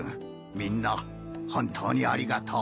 みんな本当にありがとう。